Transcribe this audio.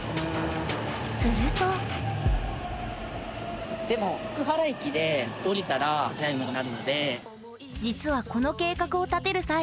するとでも実はこの計画を立てる際